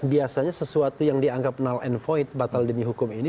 biasanya sesuatu yang dianggap null and void batal demi hukum ini